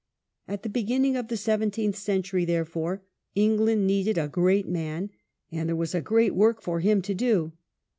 At the beginning of the seventeenth century, therefore, England needed a great man, and there was a great work for him to do.